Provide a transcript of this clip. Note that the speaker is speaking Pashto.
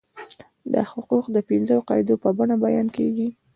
دا حقوق د پنځو قاعدو په بڼه بیان کیږي.